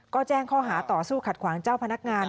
ก็แจ้งข้อหาต่อสู้ขัดขวางเจ้าพนักงาน